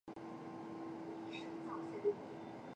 还以为是公车